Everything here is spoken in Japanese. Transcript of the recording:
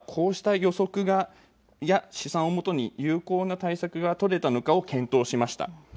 最高裁はこうした予測や試算をもとに有効な対策が取れたのかを検討しました。